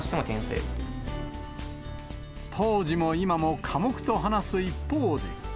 当時も今も寡黙と話す一方で。